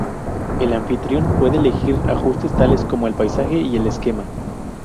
El anfitrión puede elegir ajustes tales como el paisaje y el esquema.